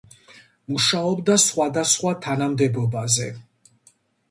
მუშაობდა სხვადასხვა თანამდებობაზე.